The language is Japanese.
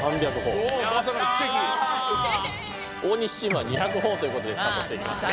大西チームは２００ほぉということでスタートしていきますね。